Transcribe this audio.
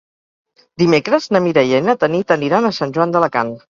Dimecres na Mireia i na Tanit aniran a Sant Joan d'Alacant.